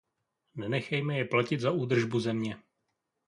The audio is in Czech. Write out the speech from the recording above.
Nenechejme je platit za údržbu země.